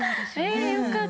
えよかった。